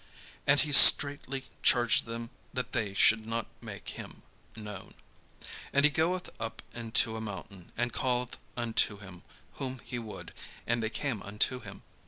And he straitly charged them that they should not make him known. And he goeth up into a mountain, and calleth unto him whom he would: and they came unto him.